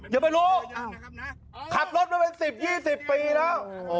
อย่าไปรู้ขับรถมันเป็น๑๐๒๐ปีแล้ว